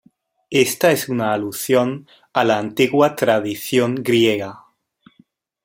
Esta es una alusión a la antigua tradición griega.